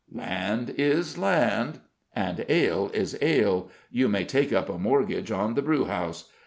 "Land is land." "And ale is ale: you may take up a mortgage on the brewhouse.